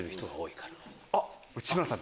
内村さん